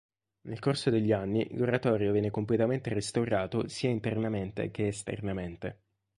Nel corso degli anni l'Oratorio viene completamente restaurato sia internamente che esternamente.